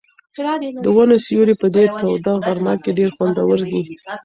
د ونو سیوری په دې توده غرمه کې ډېر خوندور دی.